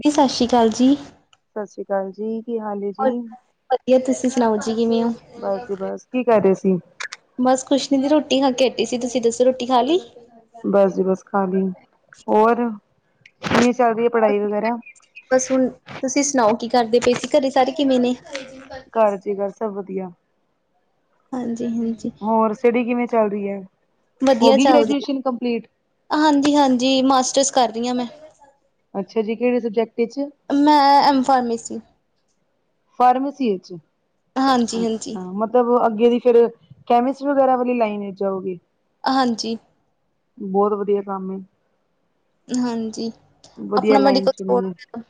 ਜੀ ਸਤਿ ਸ਼੍ਰੀ ਅਕਾਲ ਜੀ। ਸਤਿ ਸ੍ਰੀ ਅਕਾਲ ਜੀ। ਕਿ ਹਾਲ ਐ ਹੋਰ ਜੀ? ਵਧੀਆ ਤੁਸੀਂ ਸੁਣਾਓ ਜੀ ਕਿਵੇਂ ਹੋ। ਬਸ ਜੀ ਬਸ, ਕੀ ਕਰ ਰਹੇ ਸੀ? ਬਸ ਕੁਛ ਨੀ ਦੀ ਰੋਟੀ ਖਾ ਕੇ ਹਟੀ ਸੀ ਤੁਸੀਂ ਦੱਸੋ ਰੋਟੀ ਖਾ ਲਈ। ਬਸ ਜੀ ਬਸ ਖਾਲੀ, ਹੋਰ ਕਿਵੇਂ ਚੱਲ ਰਹੀ ਹੈ ਪੜ੍ਹਾਈ ਵਗੈਰਾ। ਬਸ ਹੁਣ ਤੁਸੀਂ ਸੁਣਾਓ, ਕੀ ਕਰਦੇ ਪਏ ਸੀ ਘਰੇ ਸਾਰੇ ਕਿਵੇਂ ਨੇ? ਘਰ ਜੀ ਬੱਸ ਸਭ ਵਧੀਆ। ਹਾਂਜੀ -ਹਾਂਜੀ। ਹੋਰ ਸਟੱਡੀ ਕਿਵੇਂ ਚੱਲ ਰਹੀ ਹੈ। ਹੋ ਵਧੀਆ ਗਈ ਚੱਲਦੀ ਗ੍ਰੈਜੂਏਸ਼ਨ ਕੰਪਲੀਟ ਆ ਹਾਂਜੀ -ਹਾਂਜੀ ਮਾਸਟਰਸ ਕਰ ਰੀ ਆ ਮੈਂ। ਅੱਛਾ ਜੀ ਕਿਹੜੇ ਸਬਜੈਕਟ ਚ? ਮੈਂ ਐਮ-ਫਾਰਮੇਸੀ। ਫਾਰਮੇਸੀ ਵਿੱਚ? ਹਾਂਜੀ-ਹਾਂਜੀ, ਅੱਛਾ, ਮਤਲਬ ਅੱਗੇ ਦੀ ਫਿਰ ਕੈਮਿਸਟ ਵਗੈਰਾ ਵਾਲੀ ਲਾਈਨ ਵਿੱਚ ਜਾਊਗੇ। ਹਾਂਜੀ। ਬਹੁਤ ਵਧੀਆ ਕੰਮ ਏ। ਹਾਂਜੀ ਵਧੀਆ ਆਪਣਾ ਲਾਈਨ ਮੈਡੀਕਲ ਸਟੋਰ ਚੁਣੀ ਹੈ ਵੀ ਹੈਗਾ।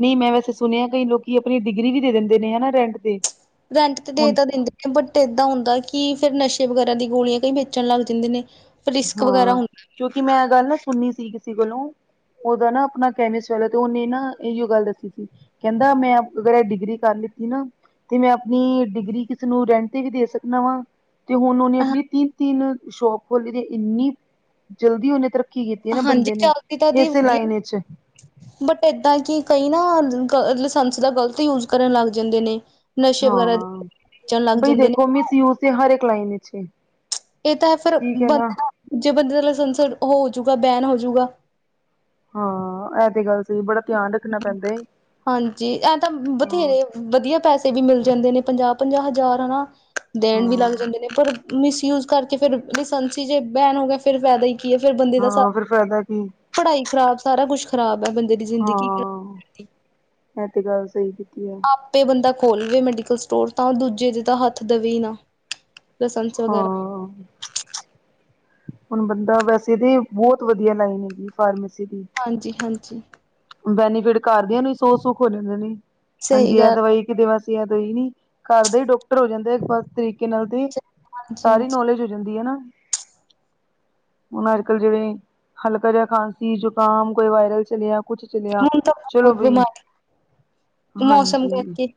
ਨਹੀਂ ਮੈਂ ਵੈਸੇ ਸੁਣਿਆ ਕਈ ਲੋਕੀ ਆਪਣੀ ਡਿਗਰੀ ਵੀ ਦੇ ਦਿੰਦੇ ਨੇ ਹਨਾ ਰੈਂਟ ਤੇ। ਰੈਟ ਤੇ ਦੇ ਹੁਣ ਤਾਂ ਦਿੰਦੇ ਬੱਟ ਫੇਰ ਏਦਾਂ ਹੁੰਦਾ ਕਿ ਫੇਰ ਨਸ਼ੇ ਵਗੈਰਾ ਦੀ ਦੀਆਂ ਗੋਲੀਆਂ ਕਈ ਵੇਚਣ ਲੱਗ ਜਾਂਦੇ ਨੇ। ਫਿਰ ਰਿਸਕ ਵਗੈਰਾ ਹਾਂ ਹੁੰਦਾ ਕਿਉਂਕਿ ਮੈਂ ਇਹ ਗੱਲ ਨਾ ਸੁਣੀ ਸੀ ਕਿਸੇ ਕੋਲੋਂ ਉਹਦਾ ਨਾ ਆਪਣਾ ਕੈਮਿਸਟ ਵਾਲਾ ਤੇ ਉਹਨੇ ਨਾ ਇਹੀਓ ਗੱਲ ਦੱਸੀ ਸੀ। ਕਹਿੰਦਾ ਮੈਂ ਆਪ ਅਗਰ ਐ ਡਿਗਰੀ ਕਰ ਲੀ ਸੀ ਏ ਨਾ ਤੇ ਮੈਂ ਆਪਣੀ ਡਿਗਰੀ ਕਿਸੇ ਨੂੰ ਰੈਟ ਤੇ ਵੀ ਦੇ ਸਕਦਾ ਵਾਂ ਤੇ ਹੁਣ ਉਹਨੇ ਆਪਣੀ ਤਿੰਨ- ਤਿੰਨ ਸ਼ੋਪ ਖੋਲੀ ਵੀ ਇੰਨੀ ਜਲਦੀ ਉਹ ਨੇ ਤਰੱਕੀ ਕੀਤੀ ਹੈ ਨਾ ਹਾਂਜੀ ਬੰਦੇ ਨੇ ਚੱਲਦੀ ਤਾਂ ਦੀ ਇਸੇ ਵਧੀਆ ਲਾਈਨ ਵਿੱਚ। ਬਟ ਏਦਾਂ ਏ ਕਿ ਕਈ ਨਾ ਲਾਇਸੰਸ ਦਾ ਗ਼ਲਤ ਯੂਜ ਕਰਨ ਲੱਗ ਜਾਂਦੇ ਨੇ। ਨਸ਼ੇ ਹਾਂ, ਵਗੈਰਾ ਦੇ ਹਾਂ ਵੇਚਣ ਲੱਗ ਬਈ ਜਾਂਦੇ ਨੇ ਦੇਖੋ ਮਿਸ ਯੂਜ ਦੇ ਹਰ ਇੱਕ ਲਾਈਨ ਵਿੱਚ ਏ। ਇਹ ਤਾਂ ਹੈ ਫੇਰ ਠੀਕ ਹੈ ਨਾ ਬੰਦੇ ਦਾ ਜੇ ਬੰਦੇ ਦਾ ਲਾਇਸੰਸ ਹੋਜੂਗਾ ਬੈਨ ਹੋਜੂਗਾ। ਹਾਂ ਇਹ ਤੇ ਗੱਲ ਸਹੀ ਬੜਾ ਧਿਆਨ ਰੱਖਣਾ [inaudible] ਪੈਂਦਾ ਏ ਹਾਂਜੀ ਇਹ ਤਾਂ ਹਾਂ ਬਥੇਰੇ ਵਧੀਆ ਪੈਸੇ ਵੀ ਮਿਲ ਜਾਂਦੇ ਨੇ ਪੰਜਾਹ- ਪੰਜਾਹ ਹਜ਼ਾਰ ਹਨਾ ਦੇਣ ਵੀ ਲੱਗ ਹਾਂ ਜਾਂਦੇ ਨੇ, ਪਰ ਮਿਸਯੂਜ ਕਰਕੇ ਫੇਰ ਲਾਇਸੰਸ ਜੇ ਬੈਨ ਹੋ ਗਿਆ, ਫੇਰ ਫਾਇਦਾ ਕਿਏ ਫੇਰ ਬੰਦੇ ਦਾ ਸਾਰਾ ਹਾਂ ਫਿਰ ਫਾਇਦਾ ਕੀ [inaudible] ਪੜ੍ਹਾਈ ਖਰਾਬ ਸਾਰਾ ਕੁਛ ਖ਼ਰਾਬ ਹੈ ਬੰਦੇ ਮੇਰੀ ਜ਼ਿੰਦਗੀ ਹਾਂ ਖ਼ਰਾਬ ਕਰਦੀ ਇਹ ਤੇ ਗੱਲ ਸਹੀ ਕੀਤੀ ਹੈ [inaudible] ਆਪ ਤੇ ਬੰਦਾ ਖੋਲਵੇ ਮੈਡੀਕਲ ਸਟੋਰ ਤਾਂ ਦੂਜੇ ਦੇ ਤਾਂ ਹੱਥ ਦੇਵੇ ਹੀ ਨਾ। ਲਸੰਸ ਵਗੈਰਾ ਹਾਂ। [inaudible] ਹੁਣ ਬੰਦਾ ਵੈਸੇ 'ਤੇ ਬਹੁਤ ਵਧੀਆ ਲਾਈਨ ਹੈਗੀ ਫਾਰਮੇਸੀ ਦੀ। ਹਾਂਜੀ-ਹਾਂਜੀ। ਬੈਨੀਫਿਟ ਘਰ ਦਿਆਂ ਨੂੰ ਸੌ ਸੁੱਖ ਹੋ ਜਾਂਦੇ ਨੇ, ਹਾਂਜੀ ਸਹੀ ਇਹ ਗੱਲ ਦਵਾਈ ਇਹ ਦਵਾ ਸੀ ਦਈ ਹੀ ਨੀ, ਘਰ ਦਾ ਹੀ ਡਾਕਟਰ ਹੋ ਜਾਂਦੇ‌ ਫਸਟ ਤਰੀਕੇ ਨਾਲ 'ਤੇ ਹਾਂਜੀ ਸਾਰੀ ਹਾਂਜੀ ਨੌਲੇਜ ਜਾਂਦੀ ਹੈ ਨਾ। ਹੁਣ ਅੱਜ-ਕੱਲ ਜਿਵੇਂ ਹਲਕਾ ਜਿਹਾ ਖਾਂਸੀ, ਜ਼ੁਕਾਮ ਕੋਈ ਵਾਇਰਲ ਚਲਿਆ ਕੁਛ ਚਲਿਆ, ਹੁਣ ਤਾਂ ਚਲੋ ਬਹੁਤ ਬਈ ਬਿਮਾਰੀ [inaudible] ਮੌਸਮ ਹਾਂਜੀ। ਕਰਕੇ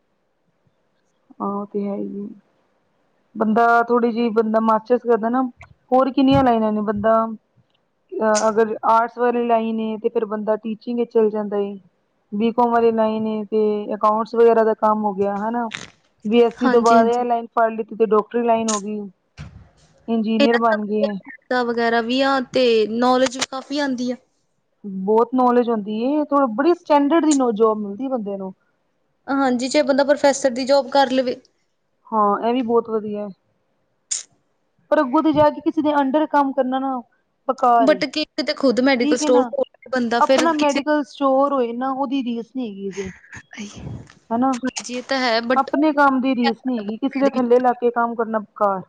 ਹਾਂ ਓਹ ਤੇ ਹੈ ਈ ਏ। ਬੰਦਾ ਥੋੜ੍ਹੀ ਜਿਹੀ ਬੰਦਾ ਮਾਸਟਰਸ ਕਰਦਾ ਨਾ, ਹੋਰ ਕਿੰਨੀਆਂ ਲਾਈਨਾਂ ਨੇ ਬੰਦਾ ਅ ਅਗਰ ਆਰਟਸ ਵਾਲੀ ਲਾਈਨ ਏ, ਤੇ ਫੇਰ ਬੰਦਾ ਟੀਚਿੰਗ ਚੱਲ ਜਾਂਦਾ ਏ ਬੀਕਮ ਵਾਲੀ ਲਾਈਨ ਏ 'ਤੇ ਅਕਾਊਂਟਸ ਵਗੈਰਾ ਦਾ ਕੰਮ ਹੋ ਗਿਆ ਹਨਾ [inaudible] ਬੀ ਐਸੀ ਤੋਂ ਹਾਂਜੀ ਹਾਂਜੀ ਇਹ ਲਾਈਨ ਫੜ ਲਤੀ ਤੇ ਡੋਕਟਰੀ ਲਾਈਨ ਹੋ ਗਈ ਇੰਜੀਨੀਅਰ ਇਹਨਾਂ ਤੋਂ ਬਣ ਗਈ ਹੈ। [unintelligible] ਵਗੈਰਾ ਵੀ ਆ ਤੇ ਨੌਲੇਜ ਵੀ ਕਾਫੀ ਆਉਂਦੀ ਆ। ਬਹੁਤ ਨੌਲੇਜ ਹੁੰਦੀ ਐ, ਉਥੋਂ ਬੜੀ ਸਟੈਂਡਰਡ ਦੀ ਜੋਬ ਮਿਲਦੀ ਬੰਦੇ ਨੂੰ ਹਾਂਜੀ, ਚਾਹੇ ਬੰਦਾ ਪ੍ਰੋਫੈਸਰ ਦੀ ਜੋਬ ਕਰ ਲਵੇ। ਹਾਂ, ਇਹ ਵੀ ਬਹੁਤ ਵਧੀਆ ਹੈ। ਪਰ ਅੱਗੋਂ ਤੇ ਜਾ ਕੇ ਕਿਸੇ ਦੇ ਅੰਡਰ ਕੰਮ ਕਰਨਾ ਨਾ ਬੇਕਾਰ ਏ, ਬਟ ਕੀ ਕਿਤੇ ਖੁਦ ਮੈਡੀਕਲ ਠੀਕ ਏ ਸਟੋਰ ਨਾ ਖੋਲ ਕੇ ਬੰਦਾ ਫਿਰ ਆਪਣਾ ਕਿਸੇ ਮੈਡੀਕਲ ਸਟੋਰ ਹੋਏ ਨਾ, ਉਹਦੀ ਰੀਸ ਨਹੀਂ ਹੈਗੀ ਜੇ। ਹਨਾ, ਹਾਂਜੀ ਇਹ ਤਾਂ ਹੈ ਬਟ ਆਪਣੇ ਕੰਮ ਦੀ ਰੀਸ ਨਹੀਂ ਹੇਗੀ, ਕਿਸੇ ਦੇ ਇਹਦੇ ਥੱਲੇ ਵਿੱਚ ਲੱਗ ਕੇ ਕੰਮ ਕਰਨਾ ਬੇਕਾਰ।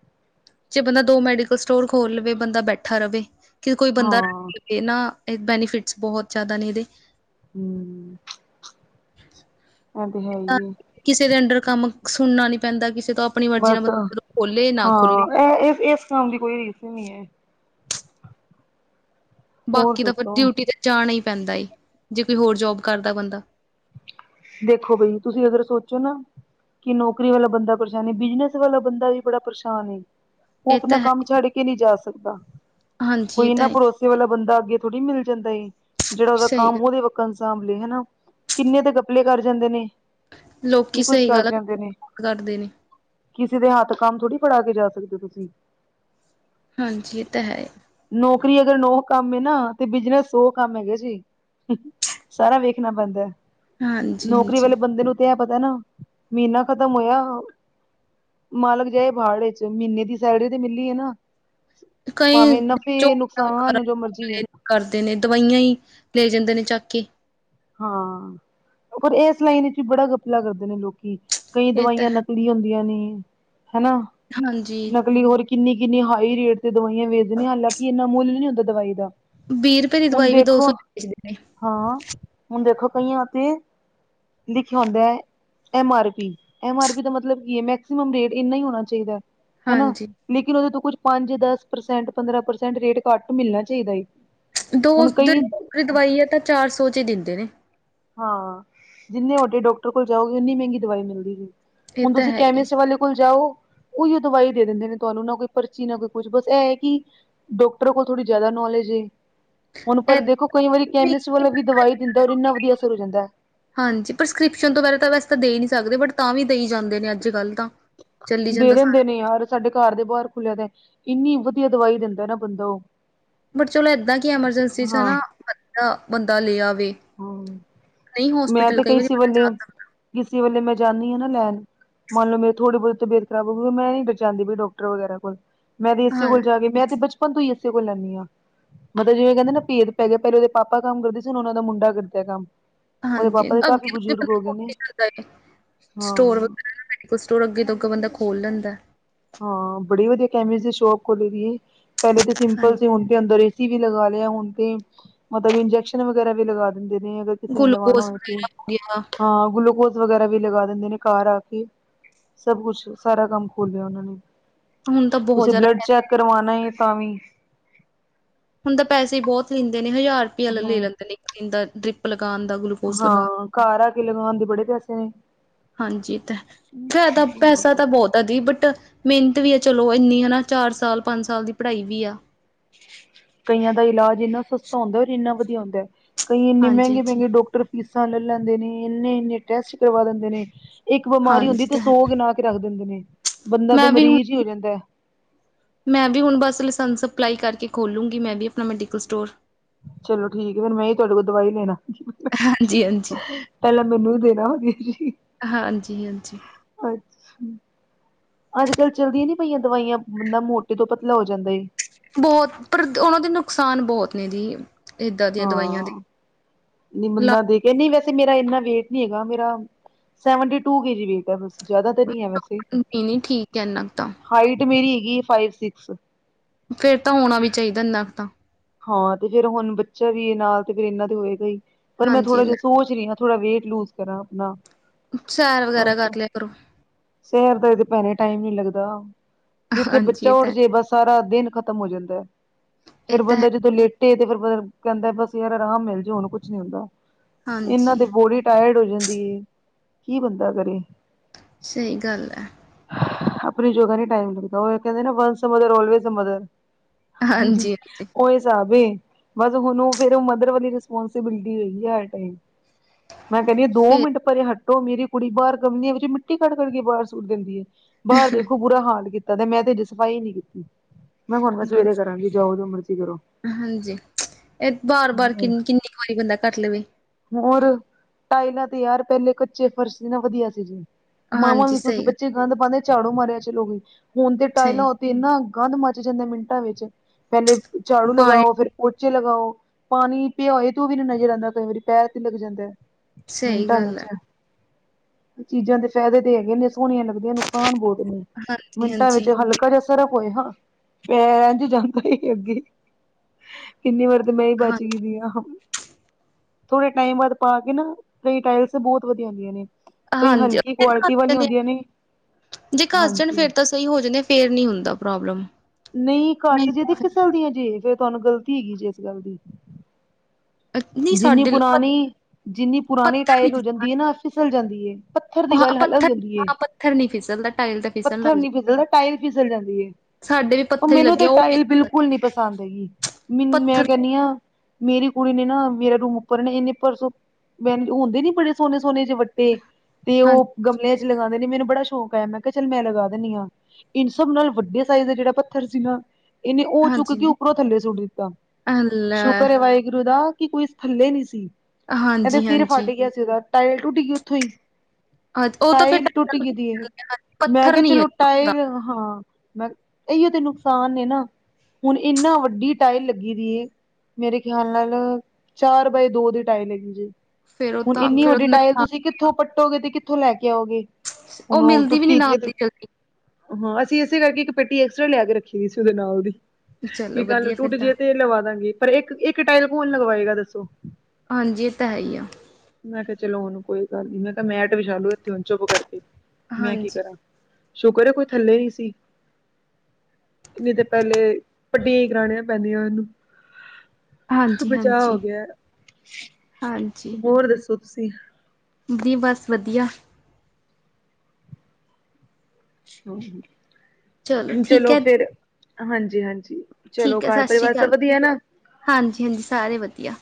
ਜੇ ਬੰਦਾ ਦੋ ਮੈਡੀਕਲ ਸਟੋਰ ਖੋਲ ਲਵੇ ਬੰਦਾ ਬੈਠਾ ਰਵੇ, ਕਿ ਕੋਈ ਹਾਂ ਬੰਦਾ ਰੱਖ ਇਹ ਨਾ ਇਹ ਬੈਨੀਫਿਟਸ ਬਹੁਤ ਜ਼ਿਆਦਾ ਨੇ ਇਹਦੇ ਹਮ, [inaudible] [inaudible] ਹਾਂ ਏ ਤੇ ਹੈ ਹੀ ਏ। ਕਿਸੇ ਦੇ ਅੰਦਡਰ ਕੰਮ ਸੁਣਨਾ ਨੀ ਪੈਂਦਾ ਕਿਸੇ ਤੋਂ ਆਪਣੀ ਮਰਜ਼ੀ ਨਾਲ ਬਸ, ਬੰਦਾ ਖੋਲੇ [inaudible] ਨਾ ਹਾਂ ਖੋਲੇ ਇਹ ਇਸ ਕੰਮ ਦੀ ਕੋਈ ਰੀਸ ਨੀ ਹੈ। ਹੋਰ ਬਾਕੀ ਤਾਂ ਪਰ ਦੱਸੋ ਡਿਊਟੀ ਤੇ ਜਾਣਾ ਹੀ ਪੈਂਦਾ ਹੀ, ਜੇ ਕੋਈ ਹੋਰ ਜੋਬ ਕਰਦਾ ਬੰਦਾ [inaudible] ਦੇਖੋ ਬਈ, ਤੁਸੀਂ ਅਗਰ ਸੋਚੋ ਨਾ ਕਿ ਨੌਕਰੀ ਵਾਲਾ ਬੰਦਾ ਪਰੇਸ਼ਾਨ, ਬਿਜਨਸ ਵਾਲਾ ਬੰਦਾ ਵੀ ਬੜਾ ਪਰੇਸ਼ਾਨ ਏ। ਉਹ ਇਹ ਆਪਣਾ ਤਾਂ ਹੈ ਕੰਮ ਛੱਡ ਕੇ ਨਹੀਂ ਜਾ ਸਕਦਾ, ਹਾਂਜੀ ਕੋਈ ਇਹ ਤਾਂ ਨਾ ਹੈ ਭਰੋਸਾ ਸੇ ਵਾਲਾ ਬੰਦਾ ਅੱਗੇ ਥੋੜੀ ਮਿਲ ਜਾਂਦਾ ਏ, ਜਿਹੜਾ ਉਹਦਾ ਸਹੀ ਕੰਮ ਗੱਲ ਉਹਦੇ ਵਾਂਗ ਸਾਂਭ ਲਏ ਹਨਾ। ਕਿੰਨੇ ਦੇ ਗੱਪਲੇ ਕਰ ਜਾਂਦੇ ਨੇ, ਕੀ ਲੋਕੀ ਕੁਛ ਸਹੀ ਕਰ ਗੱਲ ਜਾਂਦੇ ਨੇ। ਕਰਦੇ ਨੇ ਕਿਸੇ ਦੇ ਹੱਥ ਕੰਮ ਥੋੜ੍ਹੀ ਫੜਾ ਕੇ ਜਾ ਸਕਦੇ ਹੋ ਤੁਸੀਂ। ਹਾਂਜੀ, ਏ ਤਾਂ ਹੈ। ਨੌਕਰੀ ਅਗਰ ਨੋ ਕੰਮ ਏ ਨਾ ਤੇ ਬਿਜਨਸ ਸੋ ਕੰਮ ਹੈਗੇ ਸੀ। ਸਾਰਾ ਵੇਖਣਾ ਪੈਂਦਾ ਐ। ਹਾਂਜੀ ਨੌਕਰੀ ਹਾਂਜੀ ਵਾਲੇ ਬੰਦੇ ਨੂੰ 'ਤੇ ਹੈ ਪਤਾ ਨਾ, ਮਹੀਨਾ ਖਤਮ ਹੋਇਆ ਮਾਲਕ ਜਾਏ ਬਹਾੜ ਵਿਚ, ਮਹੀਨੇ ਦੀ ਸੈਲਰੀ ਤੇ ਮਿਲਨੀ ਏ ਨਾ। ਕਈ ਭਾਵੇਂ ਨਫ਼ੇ, ਝੋਨਾ ਵਗੈਰਾ ਨੁਕਸਾਨ ਜੋ ਮਰਜੀ ਏ ਕਰਦੇ ਨੇ, ਦਵਾਈਆਂ ਈ ਲੈ ਜਾਂਦੇ ਨੇ ਚੱਕ ਕੇ। ਹਾਂ, ਪਰ ਇਸ ਲਾਈਨ ਵਿੱਚ ਵੀ ਬੜਾ ਗਪਲਾ ਕਰਦੇ ਨੇ ਲੋਕੀ, ਕਈ ਇਹ ਤਾਂ ਦਵਾਈਆਂ ਹੈ ਨ ਹੁੰਦੀਆਂ ਨੇ ਹਨਾ, ਹਾਂਜੀ ਨਕਲੀ ਹੋਰ ਕਿੰਨੀ-ਕਿੰਨੀ ਹਾਈ ਰੇਟ ਤੇ ਦਵਾਈਆਂ ਵੇਚਦੇ ਹਾਲਾਂਕਿ ਇੰਨਾ ਮੁੱਲ ਨੀ ਹੁੰਦਾ ਦਵਾਈ ਦਾ। ਵੀਹ ਰੁਪਏ ਦੀ ਹੁਣ ਦਵਾਈ ਵੀ, ਦੋ ਦੇਖੋ ਸੌ ਵੇਚਦੇ ਨੇ। ਹਾਂ। ਹੁਣ ਦੇਖੋ ਕਈਆਂ ਤੇ ਲਿਖਿਆ ਹੁੰਦਾ ਐ M R P -M R P ਦਾ ਮਤਲਬ ਕੀ ਹੈ? ਮੈਕਸੀਮਮ ਰੇਟ ਇੰਨਾ ਹੀ ਹੋਣਾ ਚਾਹੀਦਾ ਹਨਾਂ। ਹਾਂਜੀ ਲੇਕਿਨ ਉਹਦੇ ਤੋਂ ਕੁਛ ਪੰਜ -ਦਸ ਪ੍ਰਸੈਂਟ, ਪੰਦਰਾਂ ਪ੍ਰਸੈਂਟ ਰੇਟ ਘੱਟ ਮਿਲਣਾ ਚਾਹੀਦਾ ਹੈ। ਦੋ ਜ ਦੋਰੀ ਦਵਾਈ ਏ, ਇਹ ਤਾਂ ਚਾਰ ਸੌ ਚ ਹੀ ਦਿੰਦੇ ਨੇ। ਹਾਂ ਜਿੰਨੇ ਵੱਡੇ ਡਾਕਟਰ ਕੋਲ ਜਾਓਗੇ, ਓਨੀ ਮਹਿੰਗੀ ਦਵਾਈ ਮਿਲਦੀ ਏ। ਇਹ ਹੁਣ ਤਾਂ ਤੁਸੀਂ ਹੈ ਹੀ ਹੈ। ਕੈਮਿਸਟ ਵਾਲੇ ਕੋਲ ਜਾਓ ਉਹੀਓ ਦਵਾਈ ਦੇ ਦਿੰਦੇ ਨੇ ਤੁਹਾਨੂੰ, ਨਾ ਕੋਈ ਪਰਚੀ, ਨਾ ਕੋਈ ਕੁਛ, ਬਸ ਇਹ ਹੈ ਕਿ ਡਾਕਟਰ ਕੋਲ ਥੋੜੀ ਜ਼ਿਆਦਾ ਨੌਲੇਜ ਏ ਹੁਣ ਪਰ ਏਦਾਂ ਦੇਖੋ ਕਈ ਵਾਰੀ ਕੈਮਿਸਟ ਵਾਲਾ ਵੀ ਦਵਾਈ ਦਿੰਦਾ ਰ ਇੰਨਾ ਵਧੀਆ ਅਸਰ ਹੋ ਜਾਂਦਾ। ਹਾਂਜੀ ਪ੍ਰਸਕ੍ਰਿਪਸ਼ਨ ਵਗੈਰਾ ਤਾਂ ਵੈਸ ਤਾਂ ਦੇ ਹੀ ਨਹੀਂ ਸਕਦੇ, ਬਟ ਤਾਂ ਵੀ ਦੇਈ ਜਾਂਦੇ ਨੇ ਅੱਜ -ਕੱਲ੍ਹ ਤਾਂ। ਚੱਲੀ ਦੇ ਜਾਂਦਾ ਦਿੰਦੇ ਸਾਰਾ ਨੇ ਯਾਰ, ਸਾਡੇ ਘਰ ਦੇ ਬਾਹਰ ਖੁੱਲਿਆ ਦੇ, ਇੰਨੀ ਵਧੀਆ ਦਵਾਈ ਦਿੰਦਾ ਨਾ ਬੰਦਾ ਓ। ਬਟ ਚਲੋ ਏਦਾਂ ਕਿ ਐਮਰਜੈਂਸੀ ਚ ਹਨਾ ਵ ਬੰਦਾ ਲੈ ਆਵੇ। ਹੂੰ, ਨਹੀਂ ਮੈਂ ਹੋਸਪਿਟਲ ਤੇ ਕਈ ਵਾਰੀ ਕਿਸੇ ਬੰਦਾ ਵੇਲੇ, ਬੱਚੇ ਜਾ ਕਿਸੇ ਵੇਲੇ ਮੈਂ ਜਾਂਨੀ ਹਾਂ ਨਾ ਲੈਣ ਮੰਨ ਲਓ ਮੇਰੇ ਥੋੜੀ ਬਹੁਤ ਤਬੀਅਤ ਖਰਾਬ ਹੋਗੀ, ਮੈਂ ਨੀ ਫਿਰ ਜਾਂਂਦੀ ਵੀ ਡਾਕਟਰ ਵਗੈਰਾ ਕੋਲ। ਮੈਂ ਤੇ ਸਕਦਾ ਇਸੇ ਹਾਂ ਕੋਲ ਜਾ ਕੇ ਮੈਂ ਤੇ ਬਚ ਪਨ ਤੋਂ ਇਸੇ ਕੋਲ ਲੈਂਦੀ ਆ, ਮਤਲਬ ਜਿਵੇਂ ਕਹਿੰਦੇ ਨਾ ਭੇਦ ਪੈ ਗਿਆ, ਪਹਿਲੇ ਉਹਦੇ ਪਾਪਾ ਕੰਮ ਕਰ ਸੀਗੇ, ਹੁਣ ਓਹਨਾਂ ਦਾ ਮੁੰਡਾ ਮੁੰਡਾ ਕਰਦਾ ਕੰਮ। ਉਹਦੇ ਹਾਂਜੀ, ਪਾਪਾ ਦੇ ਕਾਫ਼ੀ ਅੱਗੇ ਨਾ ਬਜ਼ੁਰਗ ਹੋ ਗਏ [unintelligible] ਨੇ ਕਰਦਾ ਸਟੋਰ ਵ ਹਾਂ ਪ ਮੈਡੀਕਲ ਸਟੋਰ ਅੱਗੇ ਤੋਂ ਇੱਕ ਬੰਦਾ ਖੋਲ੍ਹ ਲੈਂਦਾ। ਹਾਂ ਬੜੀ ਵਧੀਆ ਕੈਮਿਸ ਦੀ ਸ਼ੋਪ ਖੁੱਲ ਗਈ, ਪਹਿਲੇ ਤੇ ਸਿੰਪਲ ਹਾਂਜੀ ਸੀ, ਹੁਣ ਤੇ ਅੰਦਰ ਏ ਸੀ ਵੀ ਲਗਾ ਲਿਆ ਹੁਣ ਤੇ ਮਤਲਬ ਇੰਜੈਕਸ਼ਨ ਵਗੈਰਾ ਵੀ ਲਗਾ ਦਿੰਦੇ ਨੇ ਅਗਰ ਕਿਸ ਨੇ ਲਵਾਨਾ ਗਲੂਕੋਸ ਹੋਏ ਤੇ, ਵਗੈਰਾ ਹੋ ਗਿਆ ਹਾਂ ਗਲੂਕੋ ਸ਼ ਵਗੈਰਾ ਵੀ ਲਗਾ ਨੇ ਘਰ ਆ ਕੇ, ਸਭ ਕੁਛ, ਸਾਰਾ ਕੰਮ ਖੋਲਿਆ ਉਹਨਾਂ ਨੇ। ਹੁਣ ਤਾਂ ਬਹੁਤ ਤੁਸੀਂ ਜ਼ਿਆਦਾ ਬਲੱਡ ਪੈਸੇ ਚੈੱਕ ਕਰਵਾਣਾ ਤਾਂ ਵੀ ਹੁਣ ਤਾਂ ਪੈਸੇ ਬਹੁਤ ਲੈਂਦੇ ਨੇ, ਹਜ਼ਾਰ ਰੁਪਈਆ ਲੈ ਹੂੰ ਲੈਂਦੇ ਨੇ ਇੱਕ ਦਿਨ ਦਾ ਡਰਿਪ ਲਗਾਣ ਦਾ ਗਲੂ ਹਾਂ ਘਰ ਆ ਕੇ ਲਗਾਣ ਦੇ ਬੜੇ ਪੈਸੇ ਨੇ। ਹਾਂਜੀ ਏ ਤਾਂ, ਜਿਆਦਾ ਪੈਸਾ ਤਾਂ ਬਹੁਤ ਐ ਦੀ ਬਟ ਮਿਹਨਤ ਵੀ ਆ ਚਲੋ ਇੰਨੀ ਹਨਾਂ, ਚਾਰ ਸਾਲ- ਪੰਜ ਸਾਲ ਦੀ ਪੜ੍ਹਾਈ ਵੀ ਆ। ਕਈਆਂ ਦਾ ਇਲਾਜ ਇੰਨਾ ਸਸਤਾ ਹੁੰਦਾ ਔਰ ਇੰਨਾ ਵਧੀਆ ਹੁੰਦਾ। ਕਈ ਇੰਨੇ ਹਾਂਜੀ ਮਹਿੰਗੇ- ਜੀ ਮਹਿੰਗੇ ਡੋਕਟਰ ਫੀਸਾਂ ਲੈ ਲੈਂਦੇ ਨੇ, ਇੰਨੇ- ਇੰਨੇ ਟੈਸਟ ਕਰਵਾ ਦਿੰਦੇ ਨੇ ਇੱਕ ਬਿਮਾਰੀ ਹਾਂਜੀ ਤੇ ਤਾਂ ਹੈ ਸੌ ਗਿਣਾ ਕੇ ਰੱਖ ਦਿੰਦੇ ਨੇ, ਬੰਦਾ ਦੇ ਮੈਂ ਵੀ ਹੁਣ ਮਰੀਜ਼ ਹੀ ਜਾਂਦਾ। ਮੈਂ ਵੀ ਹੁਣ ਬਸ ਲਾਇਸੈਂਸ ਅਪਲਾਈ ਕਰਕੇ ਖੋਲੂੰਗੀ, ਮੈਂ ਵੀ ਆਪਣਾ ਮੈਡੀਕਲ ਸਟੋਰ। ਚਲੋ ਠੀਕ ਏ ਫੇਰ ਮੈਂ ਈ ਤੁਹਾਡੇ ਕੋਲ ਦਵਾਈ ਲੈਣ ਹਾਂਜੀ ਹਾਂਜੀ ਪੈਲਾਂ ਮੈਨੂੰ ਈ ਦੇਣਾ ਵਧੀਆ ਜੀ। ਹਾਂਜੀ ਹਾਂਜੀ ਅੱਛਾ। ਅੱਜ-ਕੱਲ ਚੱਲਦੀਆਂ ਨੀ ਪਈਆਂ ਦਵਾਈਆਂ ਬੰਦਾ ਮੋਟੇ ਤੋਂ ਪਤਲਾ ਹੋ ਜਾਂਦਾ ਏ। ਬੋਤ ਪਰ ਉਨਾਂ ਦੇ ਨੁਕਸਾਨ ਬੋਤ ਨੇ ਦੀ, ਏਦਾਂ ਦੀਆਂ ਦਵਾਈਆਂ ਦੇ ਹਾਂ। ਨੀ ਲਾ ਮੁੰਨਾ ਦੇ ਕੇੰਦੀ ਵੈਸੇ ਮੇਰਾ ਏਨਾ ਵੇਟ ਨੀ ਹੈਗਾ ਮੇਰਾ seventy two K G weight ਬਸ ਜਾਦਾ ਤੇ ਨੀ ਹੈ ਵੈਸੇ ਨਹੀਂ ਨਹੀਂ ਠੀਕ ਹੈ ਇੰਨਾ ਕੁ ਤਾਂ ਹਾਈਟ ਮੇਰੀ ਹੈਗੀ ਏ ਫਾਈਵ ਸਿਕਸ। ਫੇਰ ਤਾਂ ਹੋਣਾ ਵੀ ਚਾਈਦੈ ਇੰਨਾ ਕੁ ਤਾਂ ਹਾਂ ਤੇ ਫੇਰ ਹੁਨ ਬੱਚਾ ਵੀ ਨਾਲ ਤੇ ਫੇਰ ਇਨਾਂ ਤੇ ਹੋਏਗਾ ਈ, ਪਰ ਮੈਂ ਹਾਂਜੀ ਥੋੜ੍ਹਾ ਜਿਹਾ ਸੋਚ ਰੀ ਆਂ ਥੋੜਾ ਵੇਟ ਲੂਜ ਕਰਾਂ ਆਪਣਾ ਸੈਰ ਵਗੈਰਾ ਬਸ ਕਰ ਲਿਆ ਕਰੋ। ਸੈਰ ਦਾ ਈ ਤੇ ਭੈਨੇ ਟਾਈਮ ਨੀ ਲੱਗਦਾ, ਜਿੱਥੇ ਹਾਂਜੀ ਬੱਚਾ ਇਹ ਉੱਠ ਤਾਂ ਜੇ ਬਸ ਸਾਰਾ ਦਿਨ ਖ ਖਤਮ ਹੋ ਜਾਂਦਾ ਐ ਇਹ ਫੇਰ ਤਾਂ ਹੈ ਬੰਦਾ ਜਦੋਂ ਲੇਟੇ ਤੇ ਫੇਰ ਤੇ ਕੈਂਦੈ ਬਸ ਯਾਰ ਆਰਾਮ ਮਿਲ ਜੇ ਹੁਨ ਕੁੱਛ ਨੀ ਹੁੰਦਾ ਇਨਾਂ ਹਾਂਜੀ ਦੇ ਬੋਰੀ ਟਾਇਰਡ ਹੋ ਜਾਂਦੀ ਏ ਕੀ ਬੰਦਾ ਕਰੇ ਸਈ ਗੱਲ ਐ। ਆਪਣੀ ਯੋਗਾ ਨੂੰ ਟਾਇਮ ਲੱਗਦਾ, ੳ ਕੈਂਦੇ ਨਾ ਵਨਸ ਮਦਰ ਔਲਵੇਜ ਮਦਰ। ਹੂੰ, ਹੂੰ। ਹਾਂਜੀ-ਹਾਂਜੀ ਫੇਰ ਸਾਵ ਏ ਬਸ ਹੂੰਨ ੳ ਫੇਰ ਮਦਰ ਵਾਲੀ ਰਿਸਪੋਂਸੀਬਿਲਿਟੀ ਹੋਗੀ ਹਰ ਟਾਈਮ ਮੈਂ ਕੈਨੀ ਆਂ ਦੋ ਫੇਰ ਮਿੰਟ ਭਰੇ ਹੱਟ ਟੋ ਮੇਰੀ ਕੁੜੀ ਬਾਰ ਗਮਲੇਆਂ ਵਿੱਚ ਮਿੱਟੀ ਕੱਢ ਕਰਕੇ ਬਾਰ ਸੂਟ ਦਿੰਦੀ ਏ, ਬਾਰ ਦੇਖੋ ਬੁਰਾ ਹਾਲ ਕੀਤਾ ਤਾ ਦੈ ਮੈਂ ਤੇੇ ਹਜੇ ਸਫਾਈ ਨੀ ਕੀਤੀ ਮੈਂ ਹੁਨ ਮੈਂ ਹਮ, ਸਵੇਰੇ ਕਰਾਂਗੀ ਜਾਓ ਜੋ ਮਰਜ਼ੀ ਕਰੋ। ਹਾਂਜੀ ਐ ਬਾਰ-ਬਾਰ ਕਿੰਨੀ-ਕਿੰਨੀ ਕੁ ਵਾਰੀ ਬੰਦਾ ਕਰ ਲਵੇ। ਹੋਰ ਟਾਇਲਾਂ ਤੇ ਯਾਰ ਪੈਲੇ ਕੱਚੇ ਫਰਸ਼ ਸੀ ਨਾ ਵਧੀਆ ਸੀ ਜੀ ਮਾਵਾਂ ਹਾਂਜੀ ਵੀ ਸੁੱਖੀ ਸਹੀ ਗੱਲ ਬਚੇ ਗੰਦ ਪਾਂਦੇ ਝਾੜੂ ਮਾਰਿਆ ਚਲੋ ਵੀ ਹੁਨ ਤੇ ਸਹੀ। ਟਾਇਲਾਂ ਏਨਾ ਗੰਧ ਮੱਚ ਜਾਂਦਾ ਮਿੰਟਾਂ ਵਿੱਚ ਪੈਲੇ ਝਾੜੂ ਪਾਣੀ ਲਗਾਓ ਫੇਰ ਪੋਚੇ ਲਗਾਓ ਪਾਨੀ ਪਿਆ ਹੋਏ ਤੇ ੳ ਵੀ ਨੀ ਨਜ਼ਰ ਆਂਦਾ ਕਈ ਵਾਰੀ ਪੈਰ ਤਿਲਕ ਜਾਂਦੈ। ਸਹੀ ਮਿੰਟਾ ਗੱਲ ਵਿਚ। ਹੈ, ਚੀਜ਼ਾਂ ਦੇ ਫੈਦੇ ਤੇ ਹੈਗੇ ਨੇ ਸੋਹਣੀਆਂ ਲੱਗਦੀਆਂ ਨੁਕਸਾਨ ਬੋਤ ਨੇ ਮਿੰਟਾਂ ਵਿੱਚ ਹਾਂਜੀ-ਹਾਂਜੀ, ਹਲਕਾ ਜਾ ਸਰਫ ਹੋਏ ਹਾਂ ਪੈਰ ਐਂਝ ਜਾਂਦਾ ਈ ਅੱਗੇ ਕਿੰਨੀ ਵਾਰ ਤੇ ਮੈਂ ਈ ਹਾਂ ਬਚ ਗਈ ਦੀ ਹਾਂ। ਥੋੜੇ ਟਾਈਮ ਬਾਦ ਪਾ ਕੇ ਨਾ, ਕਈ ਟਾਇਲਸ ਤੇ ਬੋਤ ਵਧੀਆ ਹੁੰਦੀਆਂ ਨੇ। ਕਈ ਹਾਂਜੀ ਹਲਕੀ ਕੁਆਲਿਟੀ ਵਾਲੀਆਂ [unintelligible] ਜੇ ਘੱਸ ਜਾਨ ਹਾਂਜੀ ਫੇਰ ਤਾਂ ਸਈ ਹੋ ਜਾਂਦੇ ਫੇਰ ਨੀ ਹੁੰਦਾ ਪ੍ਰੋਬਲਮ। ਨਈ ਕੱਸ ਨਹੀਂ ਜੇ ਤੇ ਤਾਂ ਫਿਰ ਫਿਸਲਦੀਆਂ ਜੇ ਫੇਰ ਤੁਹਾਨੂੰ ਗ਼ਲਤੀ ਹੈਗੀ ਜੇ ਏਸ ਗੱਲ ਦੀ ਨਹੀਂ ਜਿੰਨੀ ਸਾਡੇ ਲ ਪ ਪੁਰਾਨੀ, ਜਿੰਨੀ ਪੁਰਾਨੀ ਪੱਥਰ ਨੀ ਟਾਇਲ ਹੋ ਜਾਂਦੀ ਏ ਫਿਸਲਦਾ ਨਾ ਫਿਸਲ ਜਾਂਦੀ ਏ। ਪੱਥਰ ਦੀ ਹਾਂ ਗੱਲ ਹਲਗ ਪੱਥਰ ਈ ਹੋਂਦੀ ਏ ਹਾਂ ਪੱਥਰ ਨੀ ਫਿਸਲਦਾ ਟਾਇਲ ਤਾਂ ਫਿਸਲਣ ਲੱਗ ਪੱਥਰ ਨੀ ਜਾ ਫਿਸਲਦਾ ਟਾਇਲ ਫਿਸਲ ਜਾਂਦੀ ਏ। ਸਾਡੇ ਵੀ ਉ ਪੱਥਰ ਹੀ ਮੈਨੂੰ ਤੇ ਲੱਗਿਆ ਉਹ ਟਾਇਲ ਫਿਸਲਦਾ ਬਿਲਕੁਲ ਨੀ ਪਸੰਦ ਹੈਗੀ ਮ ਮੈਂ ਪੱਥਰ ਕੈਨੀ ਆ ਮੇਰੀ ਕੁੜੀ ਨੇ ਨਾ ਮੇਰਾ ਰੂਮ ਉੱਪਰ ਨੇ ਇੰਨੇ ਪਰਸੋਂਹ ਹੁੰਦੇ ਨੀ ਬੜੇ ਸੋਨੇ ਸੋਨੇ ਵੱਟੇ ਤੇ ਹਾਂ ਉ ਗਮਲੇਆਂ ਚ ਲਗਾਂਦੇ ਮੈਨੂੰ ਬੜਾ ਸ਼ੌਕ ਆਯਾ ਮੈਂ ਕਿਆ ਚੱਲ ਮੈਂ ਲਗਾ ਦਿੰਨੀ ਆਂ, ਇਨ ਸਭ ਨਾਲ ਵੱਡ ਸਾਈਜ਼ ਦਾ ਜੇੜਾ ਪ ਪੱਥਰ ਸੀਗਾ ਇਨੇ ਉ ਚੁੱਕ ਹਾਂਜੀ, ਉੱਪਰੋਂ ਥੱਲੇ ਸੁੱਟ ਦਿੱਤਾ, ਲੈ ਸ਼ੁਕਰ ਏ ਵਾਹਿਗੁਰੂ ਦਾ ਕਿ ਕੋਈ ਥੱਲੇ ਨੀ ਸੀ, ਕਹਿੰਦੇ ਸਿਰ ਹਾਂਜੀ-ਹਾਂਜੀ, ਫਟ ਗਿਆ ਸੀਗਾ, ਟਾਇਲ ਟੁੱਟ ਗਈ ਉੱਥੋਂ ਹੀ ਹਾਂ ਉਹ ਤਾਂ ਫਿਰ ਟਾਇਲ ਟੁੱਟ ਗਈ ਦੀ, ਮੈਂ ਪੱਥਰ ਕਿਹਾ ਨੀ ਚਲੋ ਹੈਗਾ ਟਾਇਲ ਹਾਂ ਮੈਂ ਇਹੀਓ ਤੇ ਨੁਕਸਾਨ ਨੇ ਨਾ, ਹੁਨ ਇੰਨਾ ਵੱਡੀ ਟਾਇਲ ਲੱਗੀ ਦੀ ਮੇਰੇ ਖਿਆਲ ਨਾਲ, ਚਾਰ ਬਾਏ ਦੋ ਦੀ ਟਾਈਲ ਹੈਗੀ ਜੇ ਫੇਰ ਉਹ ਹੁਣ ਤਾਂ ਇੰਨੀ ਫੇਰ ਉਹ ਵੱਡੀ ਟਾਇਲ ਨੁਕਸਾਨ ਤੁਸੀਂ ਕਿੱਥੋਂ ਪੱਟੋਗੇ, ਤੇ ਕਿੱਥੋਂ ਲੈ ਕੇ ਆਓਗੇ ਹੁਨ ਉਹ ਮਿਲਦੀ ਵੀ ਨੀ ਟੁੱਟੀ ਦੀ ਨਾਲ ਹੈ ਤੇ ਜਲਦੀ ਹਾਂ, ਅਸੀਂ ਇਸੇ ਕਰਕੇ ਇੱਕ ਪੇਟੀ ਐਕਸਟਰਾ ਲਿਆ ਕੇ ਰੱਖੀ ਸੀ ਉਹਦੇ ਨਾਲ ਦੀ ਚਲੋ ਕੀ ਕਲ ਵਧੀਆ ਫਿਰ ਟੁੱਟ ਤਾਂ ਜੇਏ, ਤੇ ਲਵਾਦਾਂਗੀ, ਪਰ ਇੱਕ - ਇੱਕ ਟਾਇਲ ਕੌਣ ਲਗਵਾਏਗਾ ਦੱਸੋ? ਹਾਂਜੀ ਇਹ ਤਾਂ, ਹੈ ਹੀ ਆ। ਮੈਂ ਕਿਹਾ ਚਲੋ ਹੁਣ ਕੋਈ ਗੱਲ ਨੀ, ਮੈਂ ਕਿਹਾ ਮੈਟ ਵਿਛਾ ਲੋ ਇੱਥੇ ਚੁੱਪ ਕਰਕੇ, ਮੈਂ ਕੀ ਹਾਂਜੀ, ਕਰਾਂ ਸ਼ੁਕਰ ਐ, ਕੋਈ ਥੱਲੇ ਨਹੀ ਸੀ ਨਹੀਂ ਤੇ ਪਹਿਲੇ, ਪਟੀਆਂ ਹੀ ਕਰਾਣੀਆਂ ਪੈਂਦੀਆਂ ਇਹਨੂੰ ਬਚਾ ਹਾਂਜੀ-ਹਾਂਜੀ, ਹੋਗਿਆ, ਹਾਂਜੀ ਹਾਂਜੀ ਹੋਰ ਦੱਸੋ ਤੁਸੀਂ? ਦੀ ਬਸ ਵਧੀਆ। ਹਾਂਜੀ, ਠੀਕ ਚਲੋ ਹੈ, ਫੇਰ ਹਾਂਜੀ - ਹਾਂਜੀ। ਚਲੋ ਠੀਕ ਹੈ ਘਰ ਸਸ਼੍ਰੀ ਪਰਿਵਾਰ ਸਭ ਅਕਾਲ, ਵਧੀਆ ਨਾ ਹਾਂਜੀ - ਹਾਂਜੀ ਸਾਰੇ ਵਧੀਆ।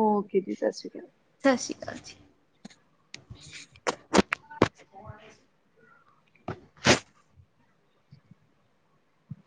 ਓਕੇ ਜੀ ਸਸ਼੍ਰੀ ਅਕਾਲ। ਸਸ਼੍ਰੀ ਅਕਾਲ ਜੀ। ਕੋ ਹੈਨੀ